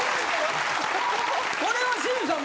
これは清水さん